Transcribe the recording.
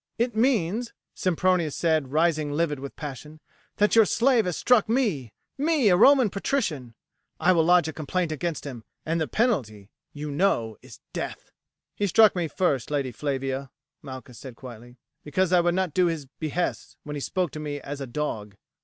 "It means," Sempronius said rising livid with passion, "that your slave has struck me me, a Roman patrician. I will lodge a complaint against him, and the penalty, you know, is death." "He struck me first, Lady Flavia," Malchus said quietly, "because I would not do his behests when he spoke to me as a dog."